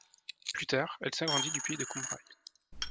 Plus tard, elle s'agrandit du pays de Combrailles.